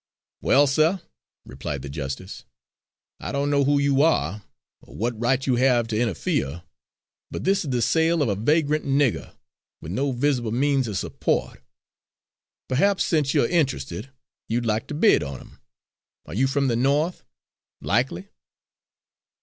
"Well, suh," replied the Justice, "I don't know who you are, or what right you have to interfere, but this is the sale of a vagrant nigger, with no visible means of suppo't. Perhaps, since you're interested, you'd like to bid on 'im. Are you from the No'th, likely?"